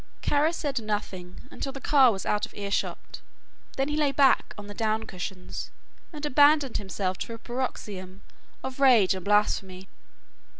Kara said nothing until the car was out of earshot then he lay back on the down cushions and abandoned himself to a paroxysm of rage and blasphemy.